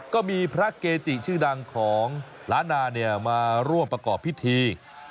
ก็มีพระเกจิชื่อดังของล้านนามาร่วมประกอบพิธี